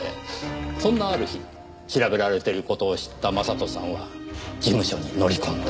そんなある日調べられている事を知った将人さんは事務所に乗り込んだ。